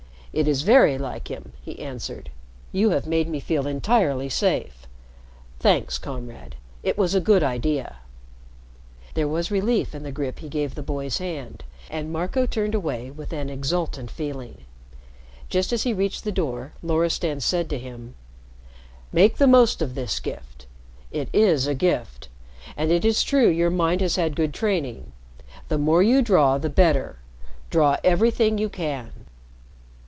"It is very like him," he answered. "You have made me feel entirely safe. Thanks, Comrade. It was a good idea." There was relief in the grip he gave the boy's hand, and Marco turned away with an exultant feeling. Just as he reached the door, Loristan said to him: "Make the most of this gift. It is a gift. And it is true your mind has had good training. The more you draw, the better. Draw everything you can."